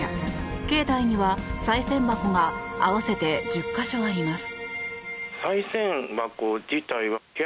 境内には、さい銭箱が合わせて１０か所あります。